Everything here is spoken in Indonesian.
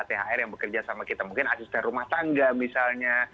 thr yang bekerja sama kita mungkin asisten rumah tangga misalnya